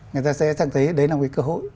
người ta sẽ thấy đấy là một cái cơ hội